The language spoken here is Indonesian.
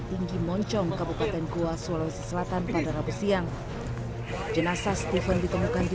tinggi moncong kabupaten goa sulawesi selatan pada rabu siang jenazah steven ditemukan di